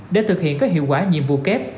để thực hiện các hiệu quả nhiệm vụ kép